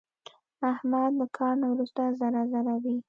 احمد له کار نه ورسته ذره ذره وي.